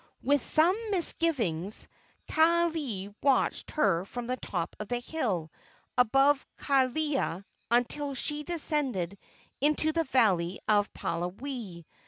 With some misgivings, Kaaialii watched her from the top of the hill above Kealia until she descended into the valley of Palawai.